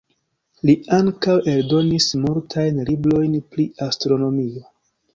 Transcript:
Li ankaŭ eldonis multajn librojn pri astronomio.